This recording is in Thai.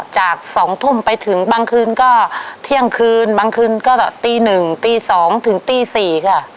จากสองทุ่มไปถึงบางคืนก็เที่ยงคืนบางคืนก็ตีหนึ่งตีสองถึงตีสี่ค่ะ